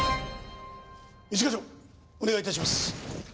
一課長お願い致します。